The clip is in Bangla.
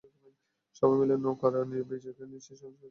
সবাই মিলে নৌকার বিজয়কে সুনিশ্চিত করতে আমরা ভোটারদের দ্বারে দ্বারে যাব।